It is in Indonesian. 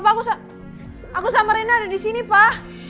papa aku sama rena ada di sini pak